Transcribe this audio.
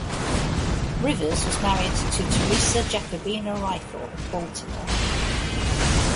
Rivers was married to Teresa Jacobina Riefle of Baltimore.